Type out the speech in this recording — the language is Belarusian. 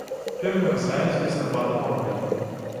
Перамярзае з лістапада па май.